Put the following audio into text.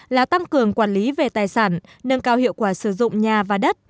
là tăng cường quản lý về tài sản nâng cao hiệu quả sử dụng nhà và đất